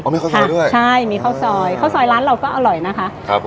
มีข้าวซอยด้วยใช่มีข้าวซอยข้าวซอยร้านเราก็อร่อยนะคะครับผม